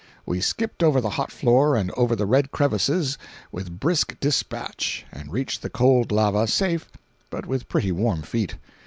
We skipped over the hot floor and over the red crevices with brisk dispatch and reached the cold lava safe but with pretty warm feet.